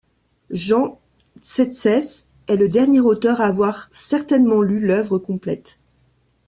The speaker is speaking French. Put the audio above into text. Jean Tzétzès est le dernier auteur à avoir certainement lu l'œuvre complète.